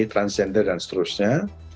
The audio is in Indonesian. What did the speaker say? transgender dan seterusnya